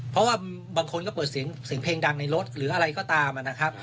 เพราะว่าบางคนก็เปิดเสียงเพลงดังในรถหรืออะไรก็ตามนะครับ